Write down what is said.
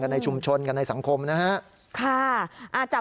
กันในชุมชนกันในสังคมนะครับ